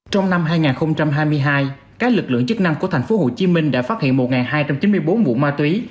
trong năm hai nghìn hai mươi hai các lực lượng chức năng của thành phố hồ chí minh đã phát hiện một hai trăm chín mươi bốn vụ ma túy